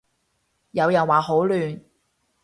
有人話好亂